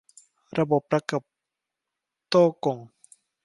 ระบบประกับโต้วก่ง